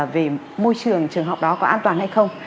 về môi trường trường học đó có an toàn hay không